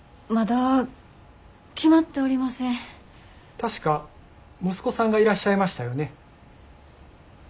確か息子さんがいらっしゃいましたよね？